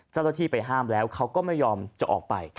เจ้าหน้าที่ไปห้ามแล้วเขาก็ไม่ยอมจะออกไป